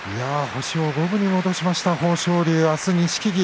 星を五分に戻した豊昇龍明日は錦木。